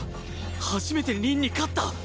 初めて凛に勝った！